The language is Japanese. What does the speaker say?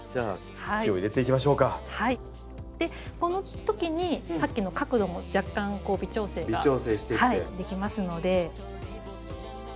このときにさっきの角度も若干微調整ができますので。